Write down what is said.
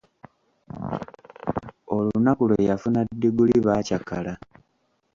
Olunaku lwe yafuna diguli baakyakala.